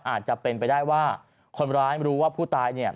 อาจจะเป็นไปได้ว่าคนร้ายรู้ว่าผู้ตายเนี่ย